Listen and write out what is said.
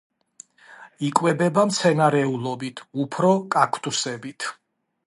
იკვებება მცენარეულობით, უფრო კაქტუსებით.